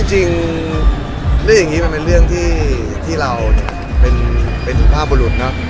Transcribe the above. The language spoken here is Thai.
จริงเรื่องอย่างนี้มันเป็นเรื่องที่เราเป็นสุภาพบรุษเนอะ